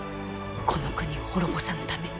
この国を滅ぼさぬために。